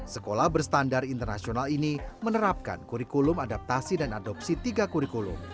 sekolah berstandar internasional ini menerapkan kurikulum adaptasi dan adopsi tiga kurikulum